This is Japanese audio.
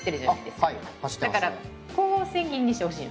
だからこう千切りにしてほしいの。